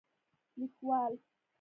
لیکوال: